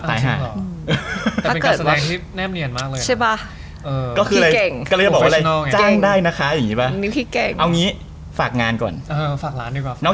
ที่แหน้มเหนียนมากเลย